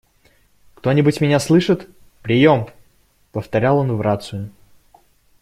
«Кто-нибудь меня слышит? Приём!», - повторял он в рацию.